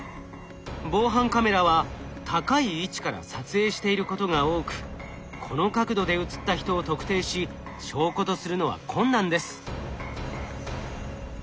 防犯カメラは高い位置から撮影していることが多くこの角度で映った人を特定し証拠とするのは困難です。